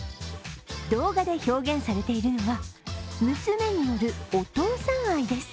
動画で表現されているのは、娘によるお父さん愛です。